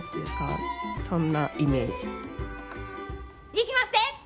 いきまっせ！